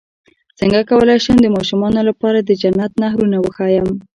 څنګه کولی شم د ماشومانو لپاره د جنت نهرونه وښایم